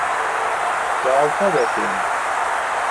گاڵتە دەکەین.